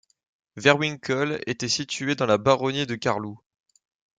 Verrewinkel était situé dans la baronie de Carloo.